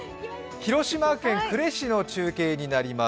広島県呉市の中継になります。